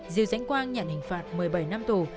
diều dãnh quang nhận hình phạt một mươi bảy năm tù